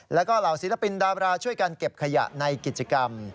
แล้วก็เหล่าศิลปินดาบราช่วยกันเก็บขยะในกิจกรรม